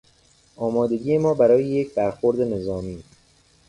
آمادگی ما برای یک برخورد نظامی